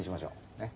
ねっ？